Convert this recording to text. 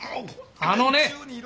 あのね！